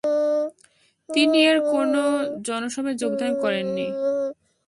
তিনি আর কোন জনসভায় যোগদান করেননি।